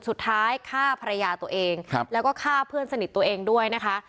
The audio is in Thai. สุดท้ายฆ่าภรรยาตัวเองแล้วก็ฆ่าเพื่อนสนิทตัวเองด้วยนะคะ